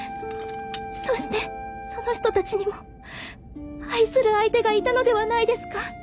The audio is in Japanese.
そしてその人たちにも愛する相手がいたのではないですか？